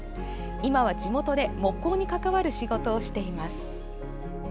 今は、地元で木工に関わる仕事をしています。